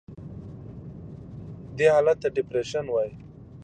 دې حالت ته Depreciation وایي.